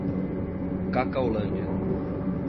Cacaulândia